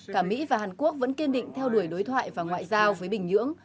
cả mỹ và hàn quốc vẫn kiên định theo đuổi đối thoại và ngoại giao với bình nhưỡng